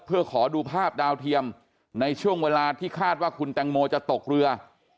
เพื่อขอดูภาพดาวเทียมในช่วงเวลาที่คาดว่าคุณแตงโมจะตกเรือ